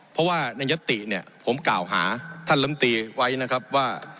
เพราะว่าในยัตติเนี่ยผมกล่าวหาท่านลำตีไว้นะครับว่า